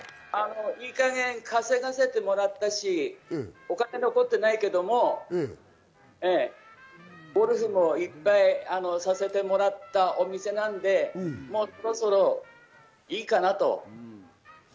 いい加減、稼がせてもらったし、お金残ってないけど、ゴルフもいっぱいさせてもらったお店なので、もうそろそろいいかなと。